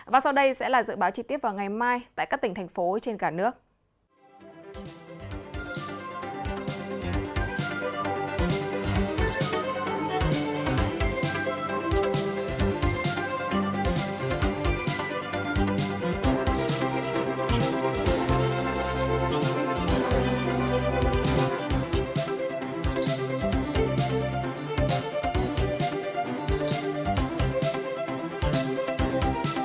và sau đây sẽ là dự báo trí tiết vào ngày mai tại các tỉnh thành phố trên cả nước